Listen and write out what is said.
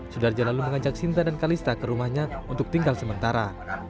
sudarja lalu mengajak sinta dan kalista ke rumahnya untuk tinggal sementara